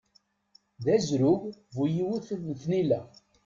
D azrug bu-yiwet n tnila.